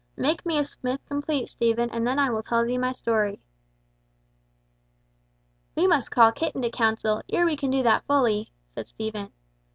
Make me a smith complete, Stephen, and then will I tell thee my story." "We must call Kit into counsel, ere we can do that fully," said Stephen.